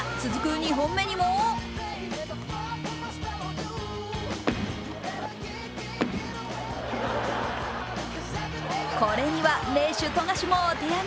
２本目にもこれには名手・富樫もお手上げ。